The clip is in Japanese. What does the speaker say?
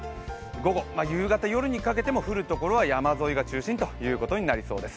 午後、夕方、夜にかけても降るところは山沿いが中心となってきます。